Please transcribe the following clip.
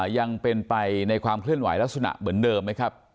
ยังเป็นไปในความเคลื่อนไหวลักษณะเหมือนเดิมไหมครับ